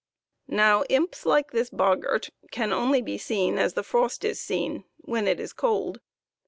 Now imps, like this boggart, can only be seen as the frost is seen when it is cold.